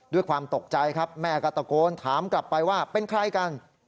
ด้วยความตกใจครับแม่ก็ตะโกนถามกลับไปว่าเป็นใครกัน